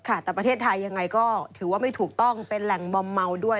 แต่ประเทศไทยยังไงก็ถือว่าไม่ถูกต้องเป็นแหล่งมอมเมาด้วย